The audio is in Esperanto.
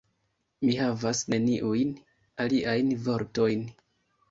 Mi havas neniujn aliajn vortojn.